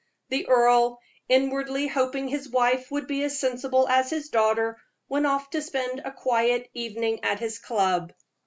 The earl, inwardly hoping his wife would be as sensible as his daughter, went off to spend a quiet evening at his club.